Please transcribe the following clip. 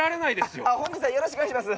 よろしくお願いします。